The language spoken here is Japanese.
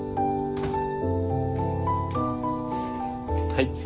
はい。